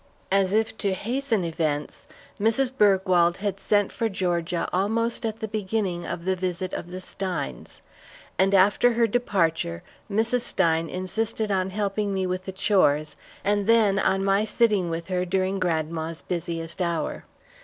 As if to hasten events, Mrs. Bergwald had sent for Georgia almost at the beginning of the visit of the Steins; and after her departure, Mrs. Stein insisted on helping me with the chores, and then on my sitting with her during grandma's busiest hour.